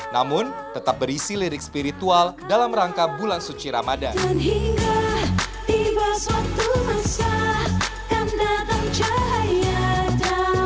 namun tetap berisi lirik spiritual dalam rangka bulan suci ramadan